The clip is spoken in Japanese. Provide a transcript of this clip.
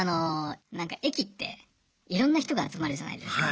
駅っていろんな人が集まるじゃないですか。